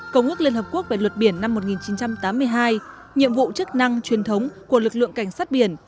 công ước liên hợp quốc về luật biển năm một nghìn chín trăm tám mươi hai nhiệm vụ chức năng truyền thống của lực lượng cảnh sát biển